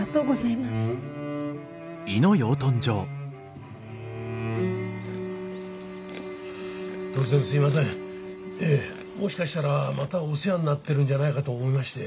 いえもしかしたらまたお世話になってるんじゃないかと思いまして。